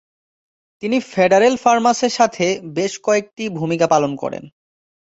তিনি ফেডারেল ফার্মার্সের সাথে বেশ কয়েকটি ভূমিকা পালন করেন।